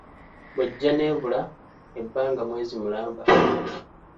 Bw'ejja n’ebula ebbanga mwezi mulamba.